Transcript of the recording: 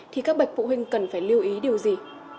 thì các bậc phụ huynh cần phải lưu ý điều gì